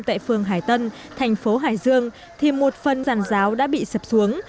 tại phường hải tân thành phố hải dương thì một phần ràn ráo đã bị sập xuống